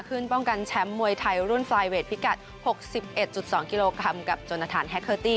ขึ้นป้องกันแชมป์มวยไทยรุ่นไฟเวทพิกัดหกสิบเอ็ดจุดสองกิโลกรัมกับจนฐานแฮคเกอร์ตี้